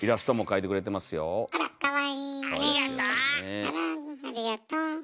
あらありがとう。